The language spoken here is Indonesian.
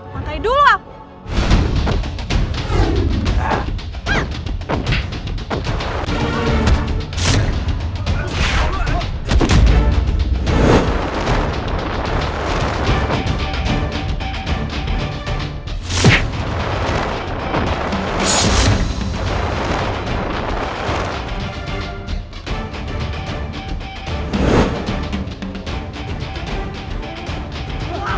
mantai dulu aku